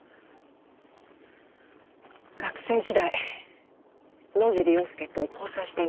学生時代野尻要介と交際していました。